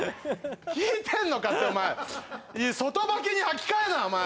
聞いてんのかってお前外履きに履き替えるなお前